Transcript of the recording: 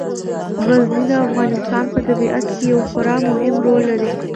غزني د افغانستان په طبیعت کې یو خورا مهم رول لري.